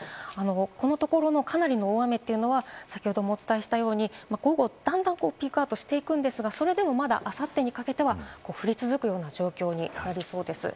このところのかなりの大雨というのは、先ほどもお伝えしたように、午後、段々ピークアウトしていくんですが、それでもまだ、あさってにかけては降り続くような状況になりそうです。